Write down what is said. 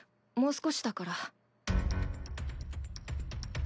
もう少しだから。